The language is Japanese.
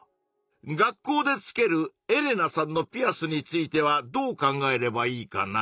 学校でつけるエレナさんのピアスについてはどう考えればいいかな？